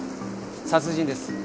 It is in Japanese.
殺人です。